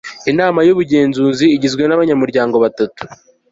inama y'ubugenzuzi igizwe n'abanyamuryango batatu